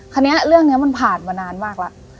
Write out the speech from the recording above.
คราวนี้เรื่องนี้มันผ่านมานานมากละ